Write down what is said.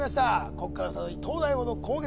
こっから再び東大王の攻撃